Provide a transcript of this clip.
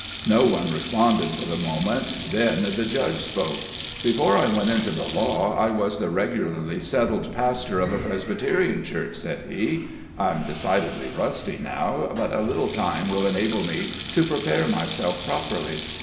No one responded for the moment; then the Judge spoke. "Before I went into the law I was the regularly settled pastor of a Presbyterian Church," said he. "I'm decidedly rusty now, but a little time will enable me to prepare myself properly.